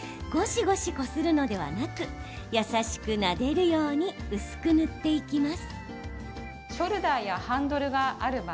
そしてゴシゴシこするのではなく優しくなでるように薄く塗っていきます。